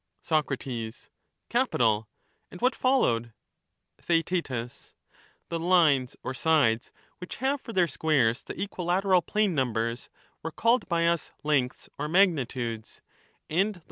Soc. Capital ; and what followed ? Theaet The lines, or sides, which have for their squares the equilateral plane numbers, were called by us lengths or magnitudes; and the.